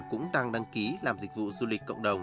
cũng đang đăng ký làm dịch vụ du lịch cộng đồng